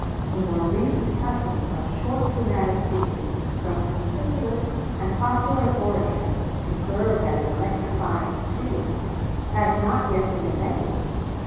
The more recent custom of short dramatic speeches from conspicuous and popular orators to serve as electrifying preludes had not yet been invented.